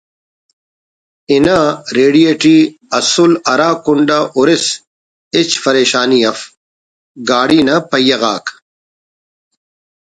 انا ریڑی ٹی اسُل ہرا کنڈ آ ہُرس ہچ فریشانی اف گاڈی نا پہیہ غاک